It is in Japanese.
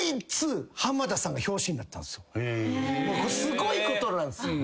すごいことなんです。